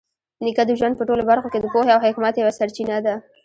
نیکه د ژوند په ټولو برخو کې د پوهې او حکمت یوه سرچینه ده.